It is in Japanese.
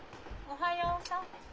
おはようさん。